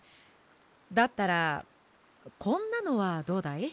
だったらこんなのはどうだい？